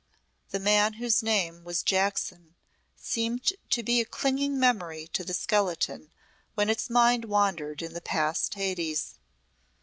The man whose name was Jackson seemed to be a clinging memory to the skeleton when its mind wandered in the past Hades.